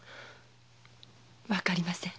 わかりません。